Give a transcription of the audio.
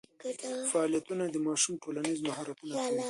فعالیتونه د ماشوم ټولنیز مهارتونه قوي کوي.